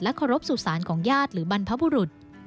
เคารพสุสานของญาติหรือบรรพบุรุษ